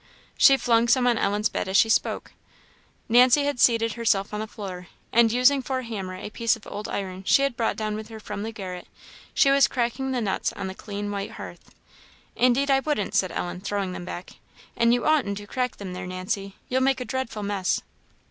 She flung some on Ellen's bed as she spoke. Nancy had seated herself on the floor, and using for a hammer a piece of old iron she had brought down with her from the garret, she was cracking the nuts on the clean white hearth. "Indeed I wouldn't!" said Ellen, throwing them back; "and you oughtn't to crack them there, Nancy you'll make a dreadful mess."